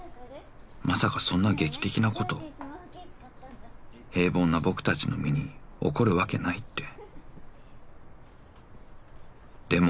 ［まさかそんな劇的なこと平凡な僕たちの身に起こるわけないって］